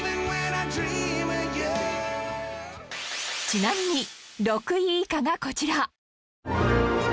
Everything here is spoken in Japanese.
ちなみに６位以下がこちら